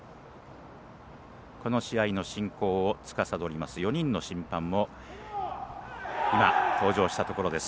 この試合の進行をつかさどります４人の審判も今登場したところです。